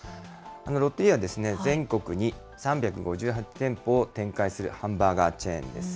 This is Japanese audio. ロッテリアは全国に３５８店舗を展開するハンバーガーチェーンです。